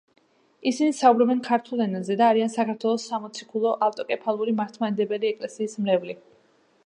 ისინი საუბრობენ ქართულ ენაზე და არიან საქართველოს სამოციქულო ავტოკეფალური მართლმადიდებელი ეკლესიის მრევლი.